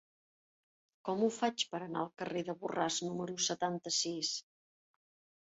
Com ho faig per anar al carrer de Borràs número setanta-sis?